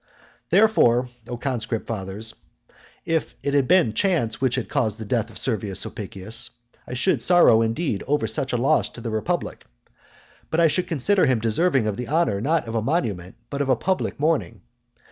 III. Therefore, O conscript fathers, if it had been chance which had caused the death of Servius Sulpicius, I should sorrow indeed over such a loss to the republic, but I should consider him deserving of the honour, not of a monument, but of a public mourning.